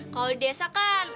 kalau di desa kan